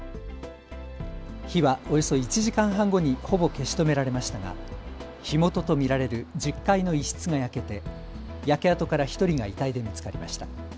火はおよそ１時間半後にほぼ消し止められましたが火元と見られる１０階の一室が焼けて焼け跡から１人が遺体で見つかりました。